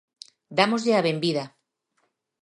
Dámoslle a benvida.